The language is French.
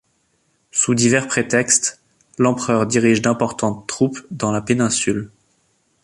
Sous divers prétextes, l'Empereur dirige d'importantes troupes dans la péninsule.